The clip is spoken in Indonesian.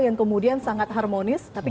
yang kemudian sangat harmonis tapi